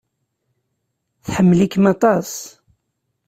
Tḥemmel-ikem aṭas.